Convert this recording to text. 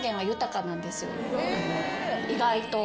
意外と。